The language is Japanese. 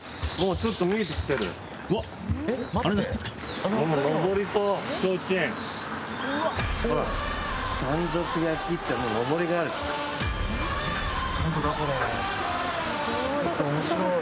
ちょっと面白い。